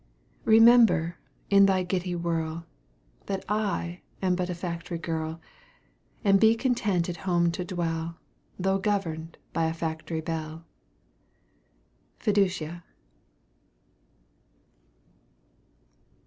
Remember, in thy giddy whirl, That I am but a factory girl: And be content at home to dwell, Though governed by a "factory bell." FIDUCIA.